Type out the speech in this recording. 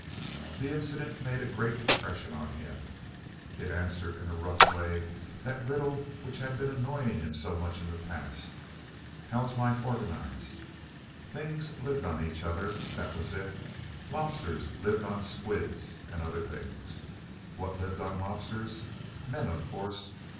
The incident made a great impression on him. It answered in a rough way that riddle which had been annoying him so much in the past: "How is life organized?" Things lived on each other—that was it. Lobsters lived on squids and other things. What lived on lobsters? Men, of course!